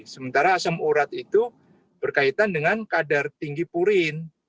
sementara asam urat itu berkaitan dengan kadar tinggi purin